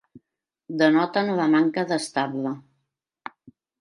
Denoten la manca d'estable.